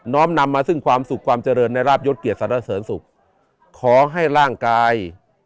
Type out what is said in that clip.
้อมนำมาซึ่งความสุขความเจริญในราบยศเกียรเสริญสุขขอให้ร่างกาย